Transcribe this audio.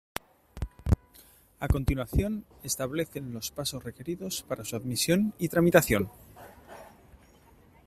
A continuación establecen los pasos requeridos para su admisión y tramitación.